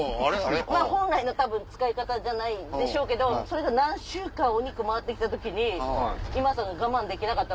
まぁ本来のたぶん使い方じゃないでしょうけどそれで何周かお肉回って来た時に。